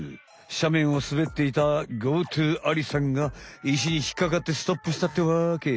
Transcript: しゃめんをすべっていたＧＯＴＯアリさんがいしにひっかかってストップしたってわけ。